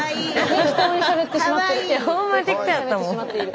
適当にしゃべってしまってる。